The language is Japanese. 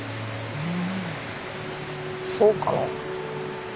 うんそうかな。